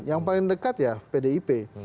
yang paling dekat ya pdip